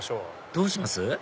どうします？